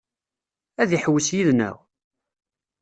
Ad iḥewwes yid-neɣ?